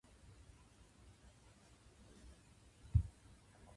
あなたってさ、猫派なの。犬派なの。